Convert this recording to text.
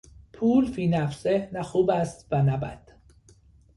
پول فینفسه نه خوب است و نه بد.